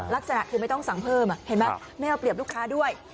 ลักษณะคือไม่ต้องสั่งเพิ่มเห็นไหมไม่เอาเปรียบลูกค้าด้วย